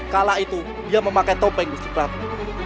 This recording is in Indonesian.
kala itu dia memakai topeng gusipragu